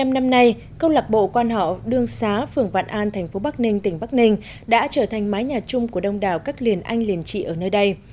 hai mươi năm năm nay công lạc bộ quan họ đường xá phường vạn an tp bắc ninh tỉnh bắc ninh đã trở thành mái nhà chung của đông đảo các liền anh liền trị ở nơi đây